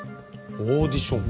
オーディション？